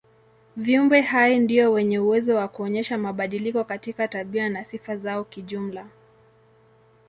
Viumbe hai ndio wenye uwezo wa kuonyesha mabadiliko katika tabia na sifa zao kijumla.